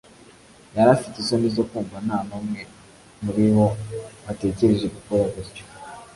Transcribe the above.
Yari afite isoni zo kumva nta n'umwe muri bo watekereje gukora gutyo.